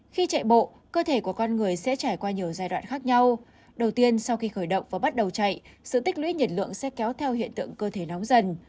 khi chạy bộ cơ thể của con người sẽ trải qua nhiều giai đoạn khác nhau đầu tiên sau khi khởi động và bắt đầu chạy sự tích lũy nhiệt lượng sẽ kéo theo hiện tượng cơ thể nóng dần